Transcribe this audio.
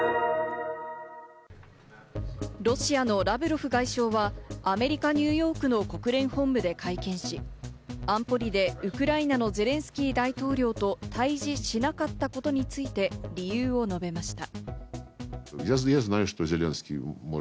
ロシアのラブロフ外相はアメリカ・ニューヨークの国連本部で会見し、安保理でウクライナのゼレンスキー大統領と対峙しなかったことについて理由を述べました。